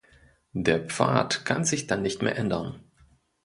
Der Pfad kann sich dann nicht mehr ändern.